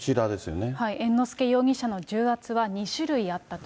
猿之助容疑者の重圧は２種類あったと。